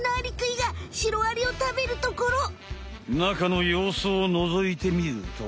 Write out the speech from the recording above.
中のようすをのぞいてみると。